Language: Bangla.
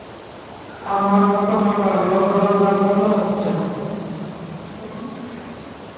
আমার বক্তব্যটা হলো, দরজা বন্ধ হচ্ছে।